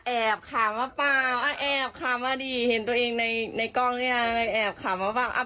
แอบขามาปากอ่ะแอบขามาดีเห็นตัวเองในในกล้องเนี้ยแอบขามาปาก